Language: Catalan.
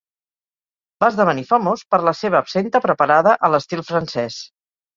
Va esdevenir famós per la seva absenta preparada a l'estil francès.